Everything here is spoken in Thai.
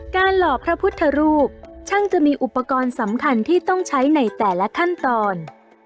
หล่อพระพุทธรูปช่างจะมีอุปกรณ์สำคัญที่ต้องใช้ในแต่ละขั้นตอน